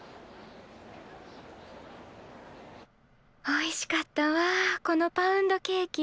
おいしかったわこのパウンドケーキ。